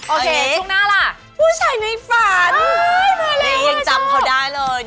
โอเคช่วงหน้าล่ะ